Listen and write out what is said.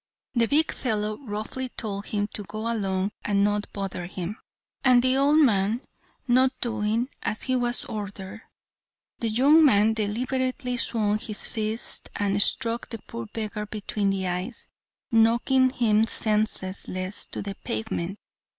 The big fellow roughly told him to go along and not bother him, and the old man, not doing as he was ordered, the young man deliberately swung his fist and struck the poor beggar between the eyes, knocking him senseless to the pavement.